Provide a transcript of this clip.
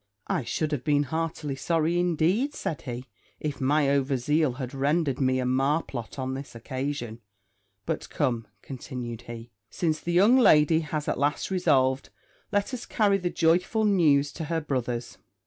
'I should have been heartily sorry indeed,' said he, 'if my over zeal had rendered me a Marplot on this occasion: but come,' continued he, 'since the young lady has at last resolved, let us carry the joyful news to her brothers.'